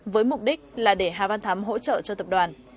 với mục đích là để hà văn thắm hỗ trợ cho tập đoàn